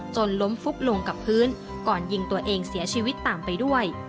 จนล้มฟุบลงกับพื้นก่อนยิงตัวเองเสียชีวิตตามไปด้วย